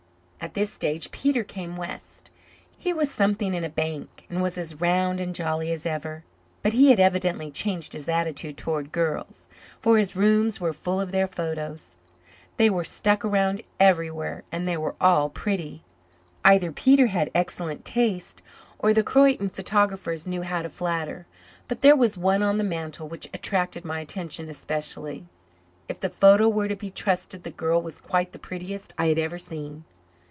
At this stage Peter came west. He was something in a bank, and was as round and jolly as ever; but he had evidently changed his attitude towards girls, for his rooms were full of their photos. They were stuck around everywhere and they were all pretty. Either Peter had excellent taste, or the Croyden photographers knew how to flatter. But there was one on the mantel which attracted my attention especially. If the photo were to be trusted the girl was quite the prettiest I had ever seen.